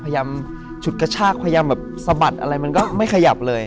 ฉุดกระชากพยายามแบบสะบัดอะไรมันก็ไม่ขยับเลย